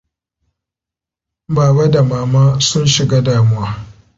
Baba da Mama sun shiga damuwa.